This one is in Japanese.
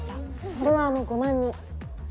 フォロワーも５万人。